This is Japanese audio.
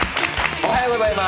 おはようございます。